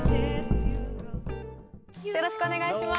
よろしくお願いします。